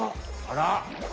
あら！